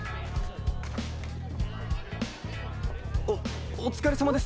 おっおつかれさまです